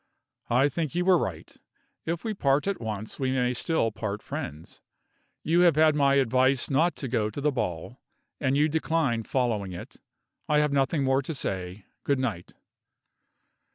"I think you were right; if we part at once, we may still part friends. You have had my advice not to go to the ball, and you decline following it. I have nothing more to say. Good night."